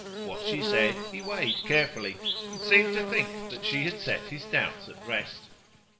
What she said he weighed carefully, and seemed to think that she had set his doubts at rest.